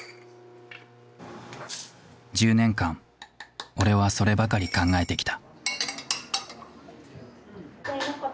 １０年間俺はそればかり考えてきた。